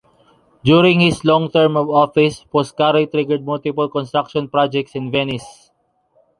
During his long term of office Foscari triggered multiple construction projects in Venice.